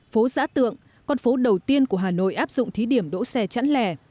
phố giã tượng con phố đầu tiên của hà nội áp dụng thí điểm đỗ xe chẵn lẻ